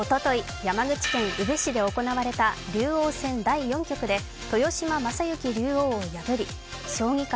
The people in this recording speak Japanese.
山口県宇部市で行われた竜王戦第４局で豊島将之竜王を破り将棋界